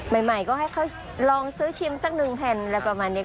ใหม่ก็ให้เขาลองซื้อชิมสักนึงเป็นแผนแล้วประมาณนี้